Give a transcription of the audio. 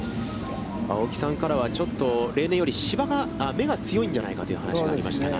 青木さんからはちょっと例年より、目が強いんじゃないかという話がありましたが。